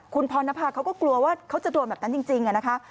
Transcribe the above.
คุณพรณภาเขาก็กลัวว่าเขาจะโดนแบบนั้นจริงนะคะ